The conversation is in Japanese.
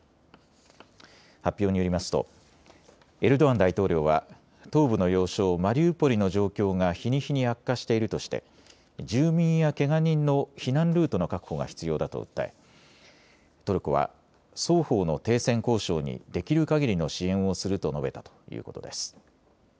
発表によりますとエルドアン大統領は東部の要衝マリウポリの状況が日に日に悪化しているとして住民やけが人の避難ルートの確保が必要だと訴えトルコは双方の停戦交渉にできるかぎりの支援をすると述べたということです。